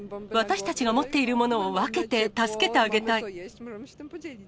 私たちが持っているものを分けて、助けてあげたい。